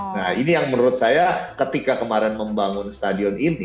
nah ini yang menurut saya ketika kemarin membangun stadion ini